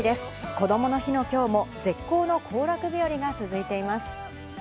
こどもの日の今日も絶好の行楽日和が続いています。